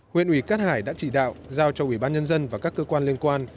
huyện ủy cát hải đã chỉ đạo giao cho ubnd và các cơ quan liên quan